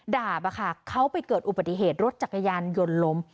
ดาบเขาไปเกิดอุบัติเหตุรถจักรยานยนต์ล้ม